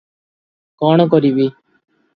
କଣ କରିବି?